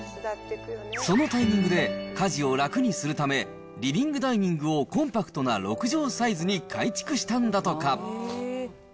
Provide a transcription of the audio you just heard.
そのタイミングで、家事を楽にするためリビングダイニングをコンパクトな６畳サイズに改築したんだとか。